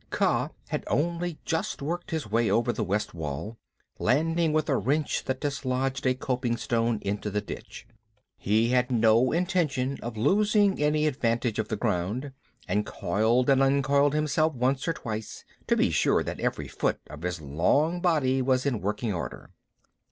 Kaa had only just worked his way over the west wall, landing with a wrench that dislodged a coping stone into the ditch. He had no intention of losing any advantage of the ground, and coiled and uncoiled himself once or twice, to be sure that every foot of his long body was in working order.